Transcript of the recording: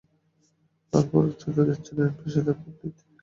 আর ফারুক চৌধুরী ছিলেন পেশাদার কূটনীতিক।